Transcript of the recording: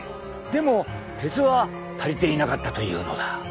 でも鉄は足りていなかったというのだ！